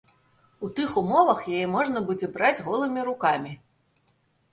У тых умовах яе можна будзе браць голымі рукамі.